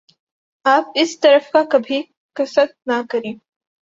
آپ اس طرف کا کبھی قصد نہ کریں